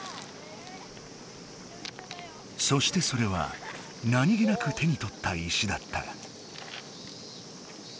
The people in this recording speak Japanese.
そしてそれは何気なく手にとった石だった。